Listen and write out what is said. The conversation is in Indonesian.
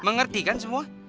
mengerti kan semua